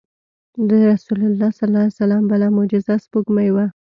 د رسول الله صلی الله علیه وسلم بله معجزه سپوږمۍ وه.